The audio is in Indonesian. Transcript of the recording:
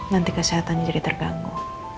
nanti kesehatannya jadi terganggu